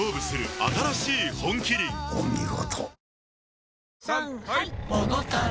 お見事。